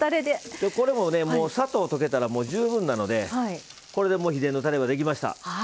これも、砂糖溶けたら十分なのでこれで秘伝のたれができました。